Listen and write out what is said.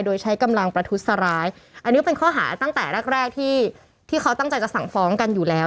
โดยใช้กำลังประทุษร้ายอันนี้เป็นข้อหาตั้งแต่แรกแรกที่ที่เขาตั้งใจจะสั่งฟ้องกันอยู่แล้ว